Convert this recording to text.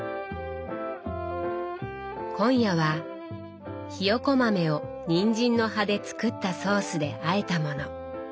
今夜はひよこ豆をにんじんの葉で作ったソースであえたもの。